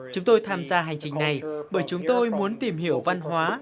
chúng tôi tham gia hành trình này bởi chúng tôi muốn tìm hiểu văn hóa